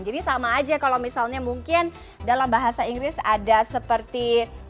jadi sama aja kalau misalnya mungkin dalam bahasa inggris ada seperti